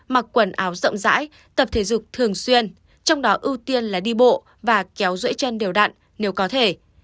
mặc quần áo rộng rãi tập thể dục thường xuyên trong đó ưu tiên là đi bộ và kéo rưỡi chân đều đặn nếu có thể